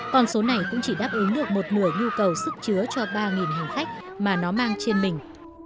còn số này cũng chỉ đáp ứng được một nửa yêu cầu sức chứa cho ba hành khách mà nó mang trên mình